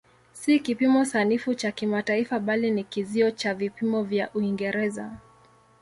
Si kipimo sanifu cha kimataifa bali ni kizio cha vipimo vya Uingereza.